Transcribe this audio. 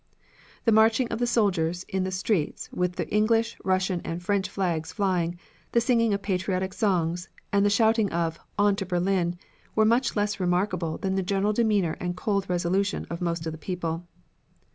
The marching of the soldiers in the streets with the English, Russian and French flags flying, the singing of patriotic songs and the shouting of "On to Berlin!" were much less remarkable than the general demeanor and cold resolution of most of the people.